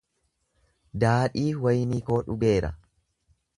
Daadhii waynii koo dhugeera.